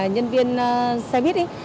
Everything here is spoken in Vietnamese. nhân viên xe buýt